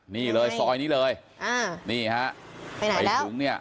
นี่เลยซอยนี่เลยอ้าวนี่ฮะไปไหนแล้วเนี้ย